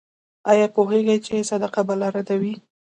ایا پوهیږئ چې صدقه بلا ردوي؟